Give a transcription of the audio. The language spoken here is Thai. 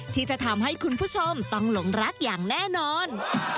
ที่จะทำให้คุณผู้ชมต้องหลงรักอย่างแน่นอน